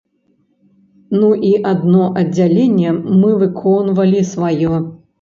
Ну і адно аддзяленне мы выконвалі сваё.